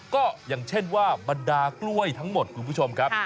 ก็อย่างเช่นว่าบรรดากล้วยทั้งหมดคุณผู้ชมครับ